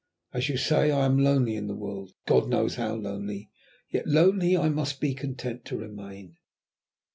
As you say, I am lonely in the world, God knows how lonely, yet lonely I must be content to remain."